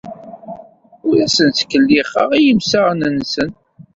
Ur asen-ttkellixeɣ i yemsaɣen-nsen.